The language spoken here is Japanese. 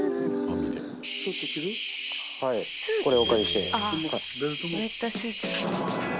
はいこれお借りして。